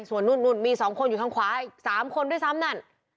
ส่วนนู่นนู่นมีสองคนอยู่ข้างขวาสามคนด้วยซ้ำนั่น